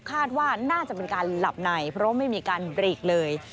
คาดว่าน่าจะเป็นการหลับในเพราะไม่มีการเบรกเลย